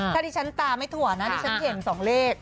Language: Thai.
ถ้าดิฉันตาไม่ถั่วนะดิฉันเห็น๒เลข